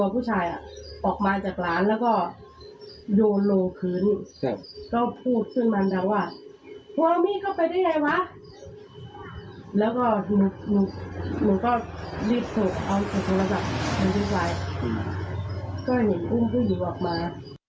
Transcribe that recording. ก็เด็กอุ้มผู้หญิงออกมา